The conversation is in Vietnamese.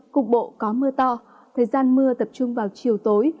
cục bộ có mưa to thời gian mưa tập trung vào chiều tối